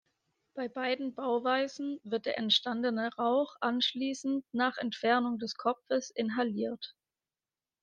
Bei beiden Bauweisen wird der entstandene Rauch anschließend, nach Entfernen des Kopfes, inhaliert.